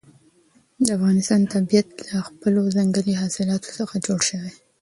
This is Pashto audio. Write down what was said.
د افغانستان طبیعت له خپلو ځنګلي حاصلاتو څخه جوړ شوی دی.